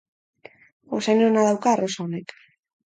Usain ona dauka arrosa honek.